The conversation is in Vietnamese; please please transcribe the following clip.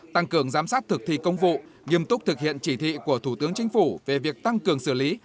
tăng cường giám sát thực thi công vụ nghiêm túc thực hiện chỉ thị của thủ tướng chính phủ về việc tăng cường xử lý